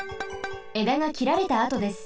えだがきられたあとです。